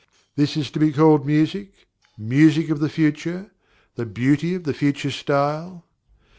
This is to be called music! music of the future! the beauty of the future style!